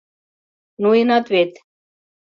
— Ноенат вет?